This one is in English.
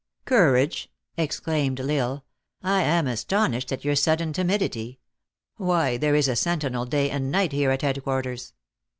" Courage !" exclaimed L Isle, " I am astonished at your sudden timidity. Why, there is a sentinel day and night here at headquarters."